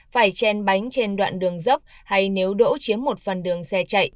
phải chen bánh trên đoạn đường dốc hay nếu đỗ chiếm một phần đường xe chạy